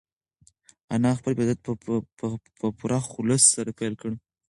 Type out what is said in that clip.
انا خپل عبادت په پوره خلوص سره پیل کړ.